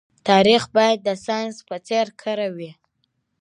تاريخ بايد د ساينس په څېر کره وي.